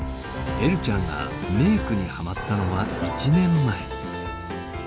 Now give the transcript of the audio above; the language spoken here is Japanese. えるちゃんがメークにハマったのは１年前。